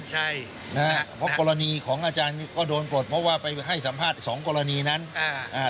ใช่นะฮะเพราะกรณีของอาจารย์ก็โดนปลดเพราะว่าไปให้สัมภาษณ์สองกรณีนั้นอ่าอ่า